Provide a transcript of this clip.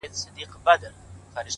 گوره را گوره وه شپوږمۍ ته گوره ـ